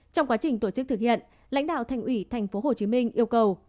trong quá trình tổ chức thực hiện lãnh đạo thành ủy tp hcm yêu cầu